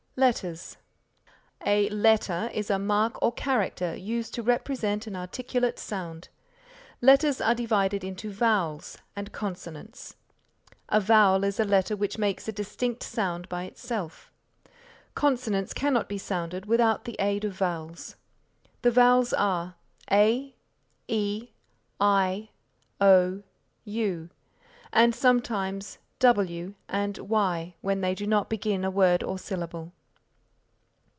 LETTERS A letter is a mark or character used to represent an articulate sound. Letters are divided into vowels and consonants. A vowel is a letter which makes a distinct sound by itself. Consonants cannot be sounded without the aid of vowels. The vowels are a, e, i, o, u, and sometimes w and y when they do not begin a word or syllable.